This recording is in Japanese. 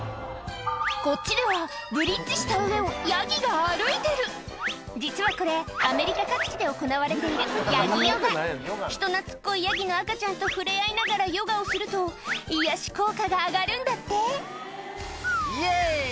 こっちではブリッジした上をヤギが歩いてる実はこれアメリカ各地で行われている人懐っこいヤギの赤ちゃんと触れ合いながらヨガをすると癒やし効果が上がるんだって「イエイ！」